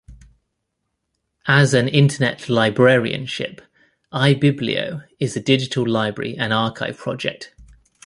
As an "Internet librarianship," ibiblio is a digital library and archive project.